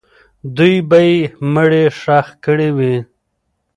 دوی به یې مړی ښخ کړی وي.